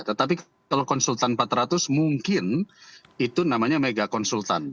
tetapi kalau konsultan empat ratus mungkin itu namanya mega konsultan